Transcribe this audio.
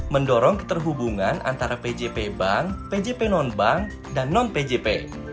mendorong keterhubungan antara pgp bank pgp non bank dan non pgp